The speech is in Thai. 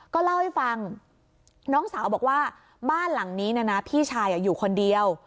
ก็เล่าให้ฟังน้องสาวบอกว่าบ้านหลังนี้นะพี่ชายอยู่คนเดียว